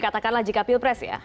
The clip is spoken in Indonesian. katakanlah jika pilpres ya